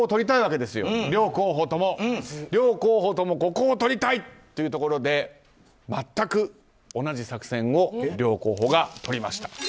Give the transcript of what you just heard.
両候補ともここを取りたい！ということで全く同じ作戦を両候補がとりました。